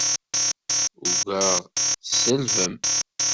Ugaɣ tselbem!